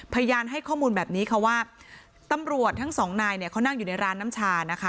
พยานให้ข้อมูลแบบนี้ค่ะว่าตำรวจทั้งสองนายเนี่ยเขานั่งอยู่ในร้านน้ำชานะคะ